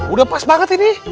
udah pas banget ini